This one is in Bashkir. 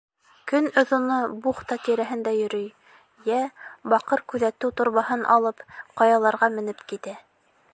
Көн оҙоно бухта тирәһендә йөрөй, йә, баҡыр күҙәтеү торбаһын алып, ҡаяларға менеп китә.